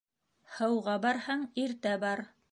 Һыуға барһаң, иртә бар: